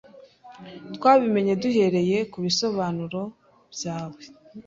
Twabimenye duhereye kubisobanuro byawe.